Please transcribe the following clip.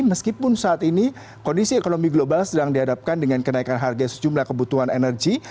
meskipun saat ini kondisi ekonomi global sedang dihadapkan dengan kenaikan harga sejumlah kebutuhan energi